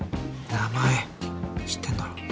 名前知ってんだろ。